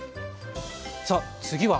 さあ次は。